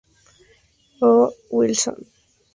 O. Wilson.